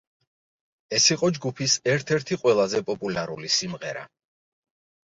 ეს იყო ჯგუფის ერთ-ერთი ყველაზე პოპულარული სიმღერა.